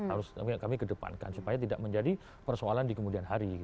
harus kami kedepankan supaya tidak menjadi persoalan di kemudian hari